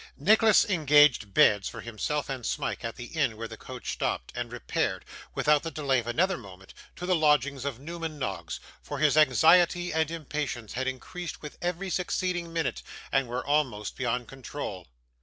Nicholas engaged beds for himself and Smike at the inn where the coach stopped, and repaired, without the delay of another moment, to the lodgings of Newman Noggs; for his anxiety and impatience had increased with every succeeding minute, and were almost beyond control.